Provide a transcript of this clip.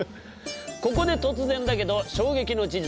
ここで突然だけど衝撃の事実。